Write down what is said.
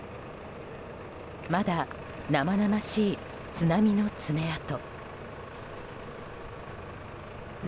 まだ生々しい津波の爪痕。